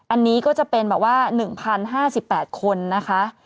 อันนี้ก็จะเป็นแบบว่า๑๐๕๘คนนะคะ